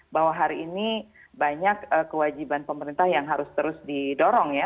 bahwa hari ini banyak kewajiban pemerintah yang harus terus didorong ya